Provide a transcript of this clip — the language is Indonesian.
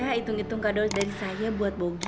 ya hitung hitung kado dari saya buat bogi